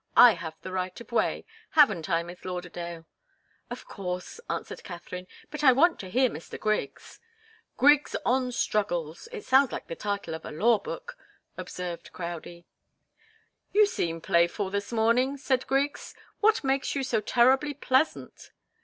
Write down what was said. I have the right of way. Haven't I, Miss Lauderdale?" "Of course," answered Katharine. "But I want to hear Mr. Griggs " "'Griggs on Struggles' it sounds like the title of a law book," observed Crowdie. "You seem playful this morning," said Griggs. "What makes you so terribly pleasant?"